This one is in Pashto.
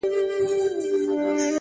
• دیدن په لک روپۍ ارزان دی,